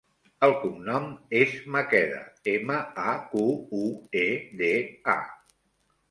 El cognom és Maqueda: ema, a, cu, u, e, de, a.